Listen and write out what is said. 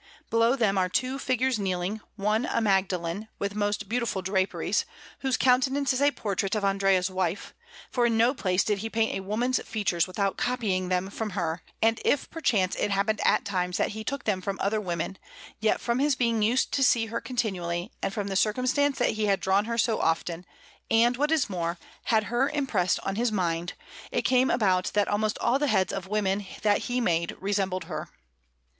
Below them are two figures kneeling, one a Magdalene with most beautiful draperies, whose countenance is a portrait of Andrea's wife; for in no place did he paint a woman's features without copying them from her, and if perchance it happened at times that he took them from other women, yet, from his being used to see her continually, and from the circumstance that he had drawn her so often, and, what is more, had her impressed on his mind, it came about that almost all the heads of women that he made resembled her.